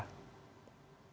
baik terima kasih